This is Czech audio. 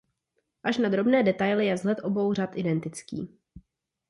Až na drobné detaily je vzhled obou řad identický.